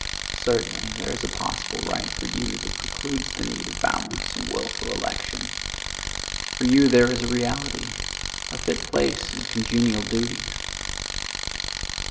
Certainly there is a possible right for you that precludes the need of balance and wilful election. For you there is a reality, a fit place and congenial duties.